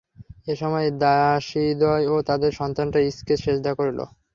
এ সময় দাসীদ্বয় ও তাদের সন্তানরা ঈসকে সিজদা করল।